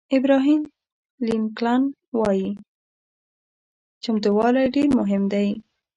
ابراهیم لینکلن وایي چمتووالی ډېر مهم دی.